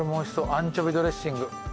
アンチョビドレッシング。